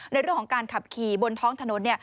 ในเรื่องของการขับขี่บนท้องถนน